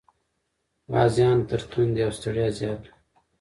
غازيان تر تندې او ستړیا زیات و.